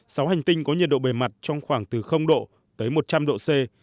sáu hành tinh có nhiệt độ bề mặt trong khoảng từ độ tới một trăm linh độ c